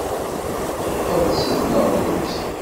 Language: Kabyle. Teqqel-d seg tneɣlust.